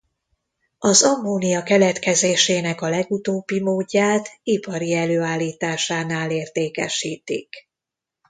Az ammónia keletkezésének a legutóbbi módját ipari előállításánál értékesítik.